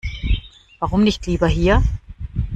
Warum nicht lieber hier?